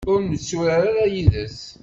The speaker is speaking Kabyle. Ur netturar ara yid-s.